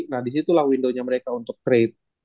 nah disitulah window nya mereka untuk trade